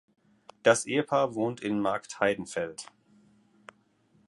Das Ehepaar wohnt in Marktheidenfeld.